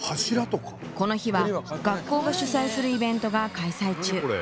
この日は学校が主催するイベントが開催中。